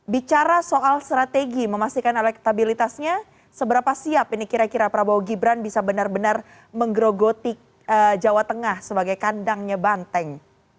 bicara soal strategi memastikan elektabilitasnya seberapa siap ini kira kira prabowo gibran bisa benar benar menggerogoti jawa tengah sebagai kandangnya banteng